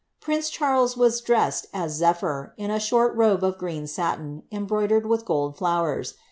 Prince Charles was dressed as Zephyr, in a short robe of green satin, embroidered with gold flowers.